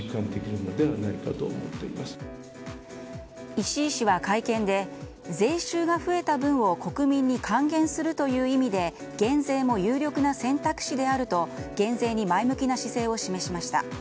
石井氏は会見で税収が増えた分を国民に還元するという意味で減税も有力な選択肢であると減税に前向きな姿勢を示しました。